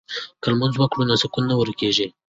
که لمونځ وکړو نو سکون نه ورکيږي.